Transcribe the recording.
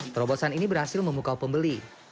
terobosan ini berhasil memukau pembeli